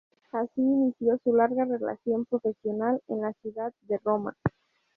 Así inició su larga relación profesional con la ciudad de Roma.